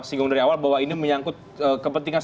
singgung dari awal bahwa ini menyangkut kepentingan